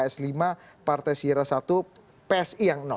saya bacakan ya